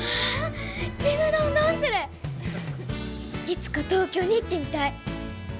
いつか東京に行ってみたい。